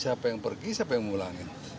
siapa yang pergi siapa yang mengulangi